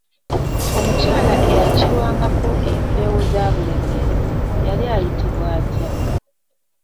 Omukyala eyakkirwangako empewo za Bulemeezi yali ayitibwa atya?